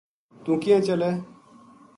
توہ کیناں چلے